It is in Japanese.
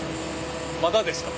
まだですか？